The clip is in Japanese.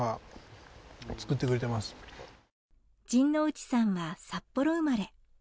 陣内さんは札幌生まれ。